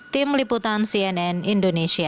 tim liputan cnn indonesia